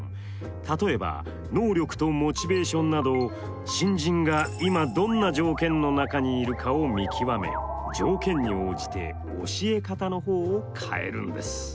例えば能力とモチベーションなどを新人が今どんな条件の中にいるかを見極め条件に応じて教え方の方を変えるんです。